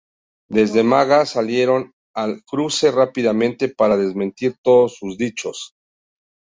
Desde Mega salieron al cruce rápidamente para desmentir todos sus dichos.